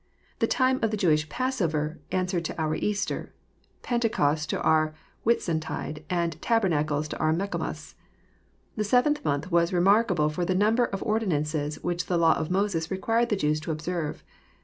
The tinae of the Jewish " Passover " answered to oar Easter, Pentecost " to oar Whitsuntide, ^nd Tabernacles " to oar Michaelmas. The seventh month was remarkable for the number of ordi nances which the law of Moses required the Jews to observe.